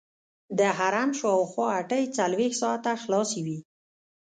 د حرم شاوخوا هټۍ څلورویشت ساعته خلاصې وي.